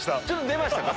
出ましたか？